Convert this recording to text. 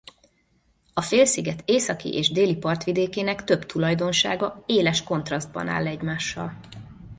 A félsziget északi és déli partvidékének több tulajdonsága éles kontrasztban áll egymással.